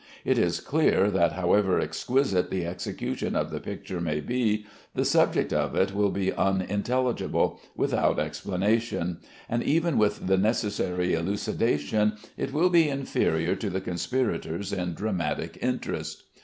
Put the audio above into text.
It is clear that, however exquisite the execution of the picture may be, the subject of it will be unintelligible, without explanation, and even with the necessary elucidation it will be inferior to the conspirators in dramatic interest.